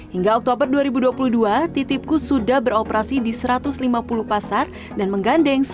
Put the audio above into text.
hingga oktober dua ribu dua puluh dua ttipku sudah beroperasi di satu ratus lima puluh pasar dan menggandeng sepuluh pedagang di dunia